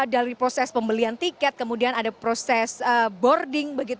dari proses pembelian tiket kemudian ada proses boarding